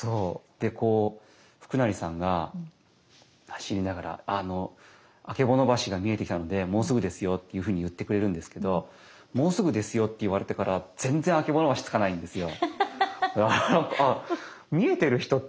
でこう福成さんが走りながら「曙橋が見えてきたのでもうすぐですよ」っていうふうに言ってくれるんですけど「もうすぐですよ」って言われてから全然曙橋着かないんですよ。